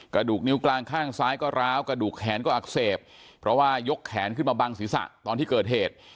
กระดูกนิ้วกลางข้างซ้ายก็ร้าวกระดูกแขนก็อักเสบเพราะว่ายกแขนขึ้นมาบังศีรษะตอนที่เกิดเหตุ